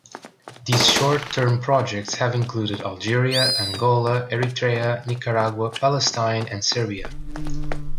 These short-term projects have included Algeria, Angola, Eritrea, Nicaragua, Palestine and Serbia.